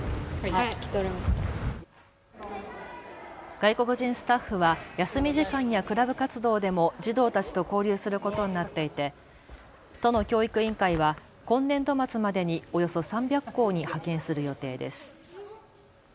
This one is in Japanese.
外国人スタッフは休み時間やクラブ活動でも児童たちと交流することになっていて都の教育委員会は今年度末までにおよそ３００校に派遣する予定です。